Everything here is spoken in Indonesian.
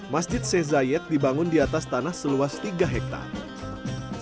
masjid sye zayed dibangun di atas tanah seluas tiga hektare